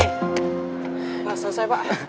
udah selesai pak